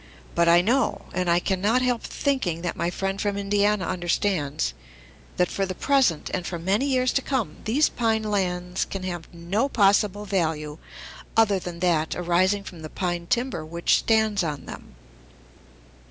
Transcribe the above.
But I know, and I can not help thinking that my friend from Indiana understands, that for the present, and for many years to come, these pine lands can have no possible value other than that arising from the pine timber which stands on them."